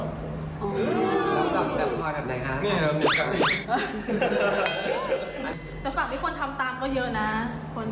แต่ฝากให้คนทำตามก็เยอะนะ